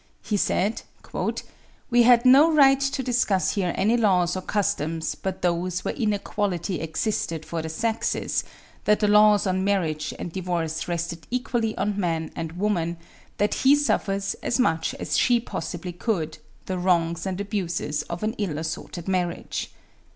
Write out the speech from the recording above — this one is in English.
He said: 'We had no right to discuss here any laws or customs but those where inequality existed for the sexes; that the laws on marriage and divorce rested equally on man and woman; that he suffers, as much as she possibly could, the wrongs and abuses of an ill assorted marriage.'